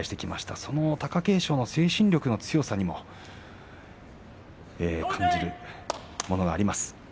その貴景勝の精神力の強さにも感じるものがあります。